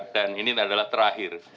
dan ini adalah terakhir